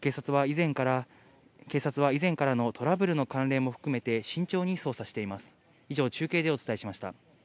警察は以前からのトラブルの関連も含めて、慎重に捜査しています。